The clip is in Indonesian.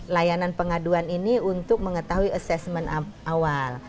layanan pengaduan ini untuk mengetahui assessment awal